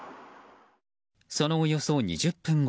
そのおよそ２０分後。